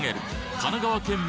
神奈川県民